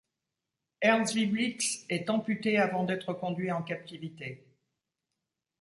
Ernst Wieblitz est amputé avant d’être conduit en captivité.